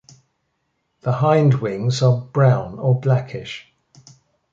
The hindwings are brown or blackish.